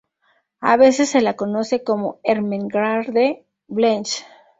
A veces se la conoce como "Ermengarde-Blanche.